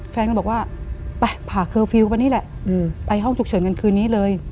แฟนก็บอกว่าไปผ่าเคอร์ฟิลล์ไปนี่แหละไปห้องฉุกเฉินกันคืนนี้เลย